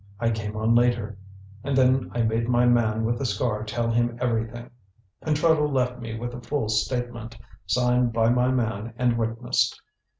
I came on later, and then I made my man with the scar tell him everything. Pentreddle left me with a full statement, signed by my man and witnessed.